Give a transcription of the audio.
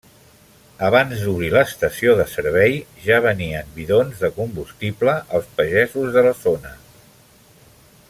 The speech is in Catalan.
Abans d'obrir l'estació de servei ja venien bidons de combustible als pagesos de la zona.